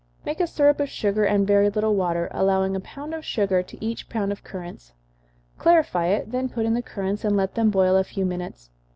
Make a syrup of sugar, and very little water, allowing a pound of sugar to each pound of currants. Clarify it, then put in the currants, and let them boil a few minutes.